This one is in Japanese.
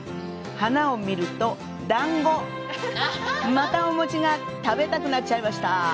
花を見ると「団子」、またお餅が食べたくなっちゃいました。